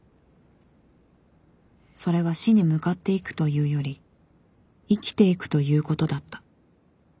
それは死に向かっていくというより生きていくということだった。